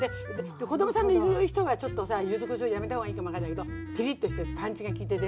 子どもさんのいる人はちょっとさ柚子こしょうやめた方がいいかも分かんないけどピリッとしててパンチが効いててね